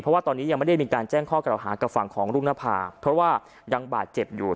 เพราะว่าตอนนี้ยังไม่ได้มีการแจ้งข้อกล่าวหากับฝั่งของรุ่งนภาเพราะว่ายังบาดเจ็บอยู่